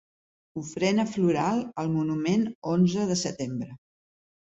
Ofrena floral al monument onze de setembre.